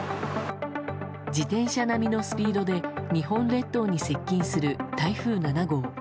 自転車並みのスピードで日本列島に接近する台風７号。